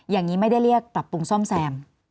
อย่างนี้ไม่ได้เรียกปรับปรุงซ่อมแซม